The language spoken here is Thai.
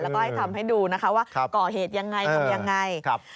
แล้วก็ให้ทำให้ดูนะคะว่าก่อเหตุยังไงทำยังไง